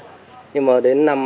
cũng không có gì